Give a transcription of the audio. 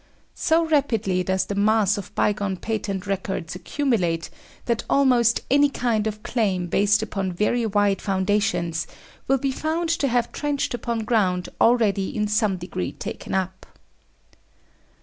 So rapidly does the mass of bygone patent records accumulate, that almost any kind of claim based upon very wide foundations will be found to have trenched upon ground already in some degree taken up.